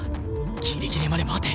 ギリギリまで待て！